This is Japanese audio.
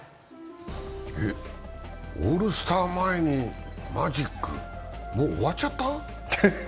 オールスター前にマジック、もう終わっちゃった？